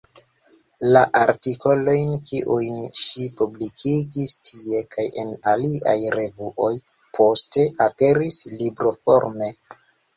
La artikolojn, kiujn ŝi publikigis tie kaj en aliaj revuoj, poste aperis libroforme.